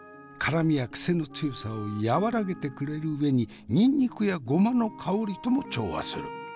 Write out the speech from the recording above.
辛みやクセの強さを和らげてくれる上ににんにくやごまの香りとも調和する。